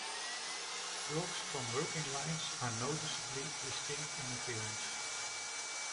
Dogs from working lines are noticeably distinct in appearance.